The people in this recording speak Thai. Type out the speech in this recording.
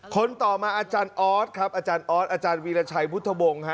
คนต่อมาอาจารย์ออสครับอาจารย์ออสอาจารย์วีรชัยวุฒิวงศ์